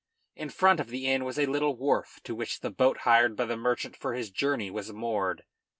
In front of the inn was a little wharf, to which the boat hired by the merchant for his journey was moored.